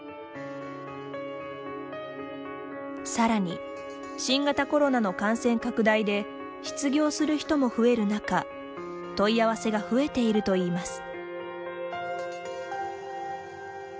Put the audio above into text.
さらに、新型コロナの感染拡大で失業する人も増える中問い合わせが増えているといいます。